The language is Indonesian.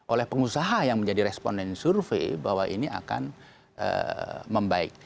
oleh pengusaha yang menjadi responden survei bahwa ini akan membaik